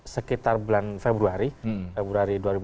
sekitar bulan februari februari